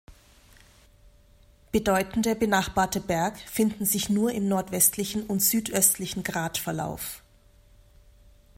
Bedeutende benachbarte Berg finden sich nur im nordwestlichen und südöstlichen Gratverlauf.